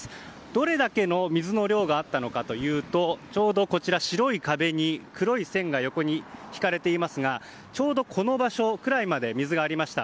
どれだけの水の量があったのかというとちょうど、白い壁に黒い線が横に引かれていますがちょうどこの場所くらいまで水がありました。